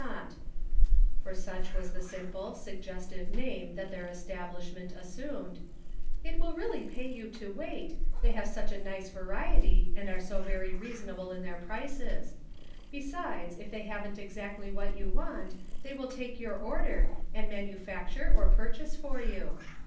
325 Not '' (for such was the simple, suggestive name that their establishment assumed) ; it will really pay you to wait, they have such a nice variety, and are so very reasonable in their prices. Besides if they haven't exactly what you want, they will take your order, and manu facture or purchase for you.